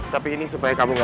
tapi ini supaya kamu gak tahu